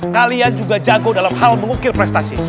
kalian juga jago dalam hal mengukir prestasi